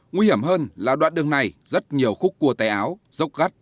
nguy hiểm hơn là đoạn đường này rất nhiều khúc cua tay áo dốc gắt